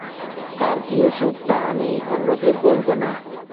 কার কি অসুখ তা আমি অন্যদের বলব না।